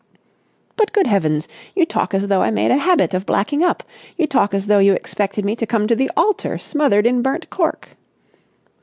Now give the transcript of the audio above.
"But, good heavens, you talk as though I made a habit of blacking up! You talk as though you expected me to come to the altar smothered in burnt cork."